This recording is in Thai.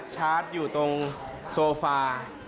ชาร์จอยู่ตรงโซฟา